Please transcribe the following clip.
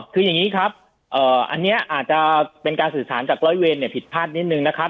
คืออย่างนี้ครับอันนี้อาจจะเป็นการสื่อสารจากร้อยเวรผิดพลาดนิดนึงนะครับ